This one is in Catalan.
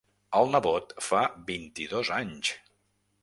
El nebot fa vint-i-dos anys.